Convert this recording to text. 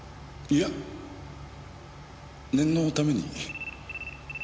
いや念のために。